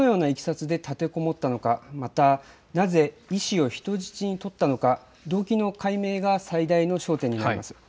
いきさつで立てこもったのか、またなぜ医師を人質に取ったのか、動機の解明が最大の焦点になります。